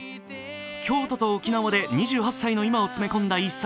京都と沖縄で２８歳の今を詰め込んだ一冊。